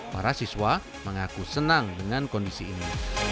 para siswa mengaku senang dengan kondisi ini